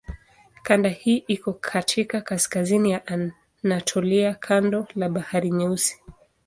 Kanda hii iko katika kaskazini ya Anatolia kando la Bahari Nyeusi.